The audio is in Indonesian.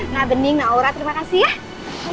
nah bening nah aura terima kasih ya